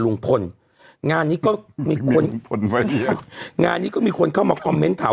ลุงพลงานนี้ก็มีคนมาเยอะงานนี้ก็มีคนเข้ามาคอมเมนต์ถาม